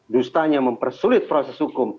dustanya mempersulit proses hukum